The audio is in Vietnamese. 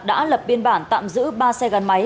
đã lập biên bản tạm giữ ba xe gắn máy